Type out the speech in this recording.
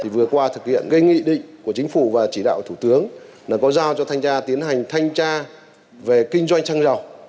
vừa qua thực hiện nghị định của chính phủ và chỉ đạo thủ tướng có giao cho thanh tra tiến hành thanh tra về kinh doanh xăng dầu